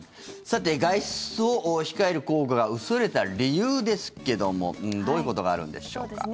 外出を控える効果が薄れた理由ですけどもどういうことがあるんでしょうか。